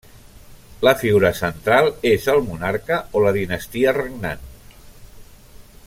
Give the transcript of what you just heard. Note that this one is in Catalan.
La figura central és el monarca o la dinastia regnant.